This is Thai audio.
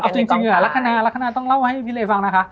อะจริงหยุดอะรักขนาดรักขนาดต้องเล่าให้พี่เละฟังนะคะ